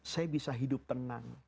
saya bisa hidup tenang